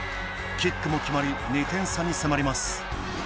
キックも決まり２点差に迫ります。